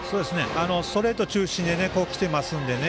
ストレート中心で来ていますのでね。